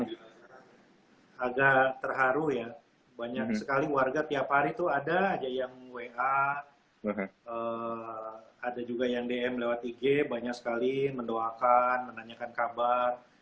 agak terharu ya banyak sekali warga tiap hari itu ada yang wa ada juga yang dm lewat ig banyak sekali mendoakan menanyakan kabar